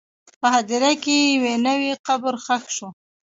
په هدیره کې یو نوی قبر ښخ شو.